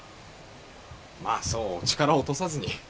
まあそうお力を落とさずに。